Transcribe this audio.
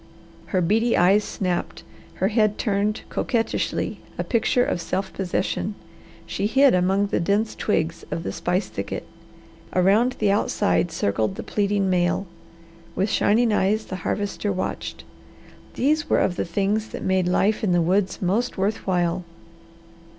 Her beady eyes snapped, her head turned coquettishly, a picture of self possession, she hid among the dense twigs of the spice thicket. Around the outside circled the pleading male. With shining eyes the Harvester watched. These were of the things that made life in the woods most worth while.